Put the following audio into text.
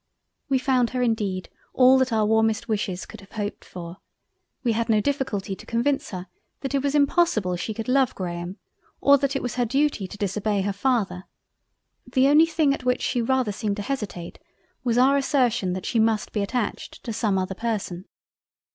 We found her indeed all that our warmest wishes could have hoped for; we had no difficulty to convince her that it was impossible she could love Graham, or that it was her Duty to disobey her Father; the only thing at which she rather seemed to hesitate was our assertion that she must be attached to some other Person.